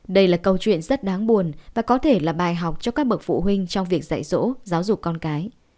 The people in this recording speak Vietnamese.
đây là câu chuyện rất đáng buồn và có thể là bài học cho các bậc phụ huynh trong việc dạy dỗ giáo dục con cái